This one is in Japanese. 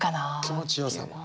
気持ちよさも？